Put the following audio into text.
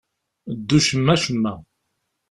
Ddu cemma-cemma.